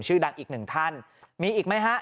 ชื่อดังอีก๑ท่านมีอีกมั้ยฮะ